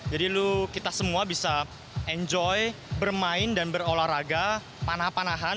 jadi kita semua bisa enjoy bermain dan berolahraga